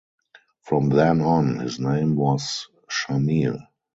From then on his name was Shamil.